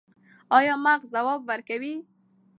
ایا مغز ځواب ورکوي؟